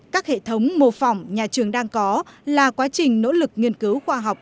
các hệ thống mô phỏng nhà trường đang có là quá trình nỗ lực nghiên cứu khoa học